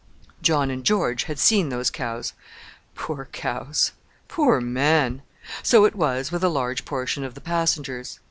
John and George had seen those cows. Poor cows! Poor man! So it was with a large portion of the passengers.